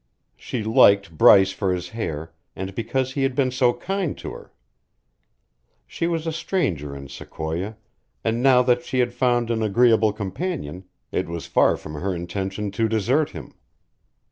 She liked Bryce for his hair and because he had been so kind to her; she was a stranger in Sequoia, and now that she had found an agreeable companion, it was far from her intention to desert him.